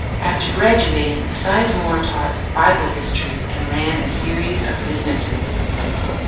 After graduating, Sizemore taught bible history and ran a series of businesses.